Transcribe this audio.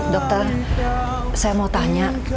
dokter saya mau tanya